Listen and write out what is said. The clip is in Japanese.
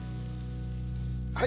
はい。